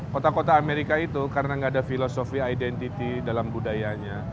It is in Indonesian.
kota kota amerika itu karena nggak ada filosofi identity dalam budayanya